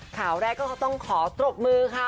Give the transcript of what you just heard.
ข่าวแรกก็ต้องขอตรกมือค่ะ